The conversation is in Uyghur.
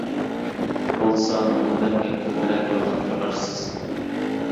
بولسا مۇنبەرگە كۆپرەك يوللاپ تۇرار سىز.